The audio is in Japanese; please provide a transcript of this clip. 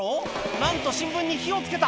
なんと新聞に火を付けた！